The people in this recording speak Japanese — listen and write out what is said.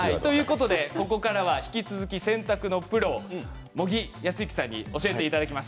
引き続き、洗濯のプロ茂木康之さんに教えていただきます。